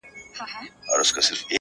• خو هر ګوره یو د بل په ځان بلا وه -